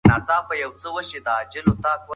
نوي لغتونه په پيل کې سخت وي.